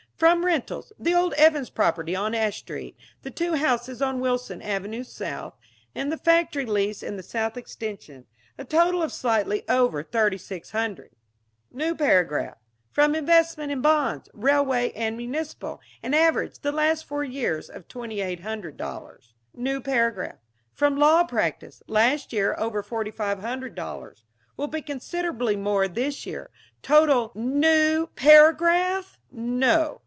From rentals the old Evans property on Ash Street, the two houses on Wilson Avenue South, and the factory lease in the South Extension, a total of slightly over $3600. "New paragraph. From investments in bonds, railway and municipal, an average the last four years of $2800. "New paragraph. From law practice, last year, over $4500. Will be considerably more this year. Total " "New paragraph?" "No.